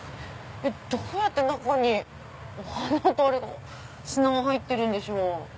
どうやって中にお花と砂が入ってるんでしょう？